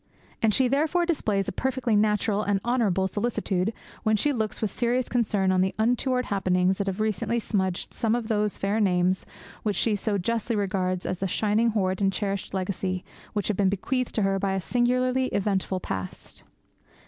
And she therefore displays a perfectly natural and honourable solicitude when she looks with serious concern on the untoward happenings that have recently smudged some of those fair names which she so justly regards as the shining hoard and cherished legacy which have been bequeathed to her by a singularly eventful past.